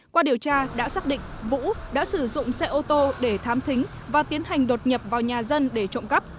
qua điều tra đã xác định vũ đã sử dụng xe ô tô để thám thính và tiến hành đột nhập vào nhà dân để trộm cắp